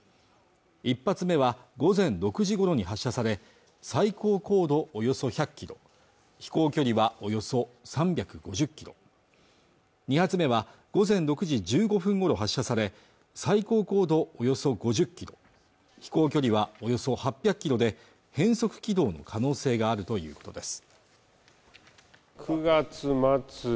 １発目は午前６時ごろに発射され最高高度およそ１００ｋｍ飛行距離はおよそ３５０ｋｍ２発目は午前６時１５分ごろ発射され最高高度およそ５０ｋｍ飛行距離はおよそ８００ｋｍで変則軌道の可能性があるということです